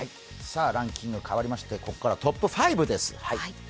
ランキング変わりましてここからはトップ５です。